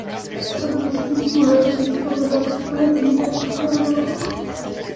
Sobre los distintos modelos físicos de datos se puede implementar cualquier modelo lógico.